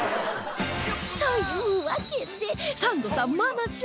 というわけでサンドさん愛菜ちゃん